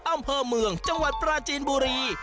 อำเภอเมืองจังหวัดปราจีนบุรี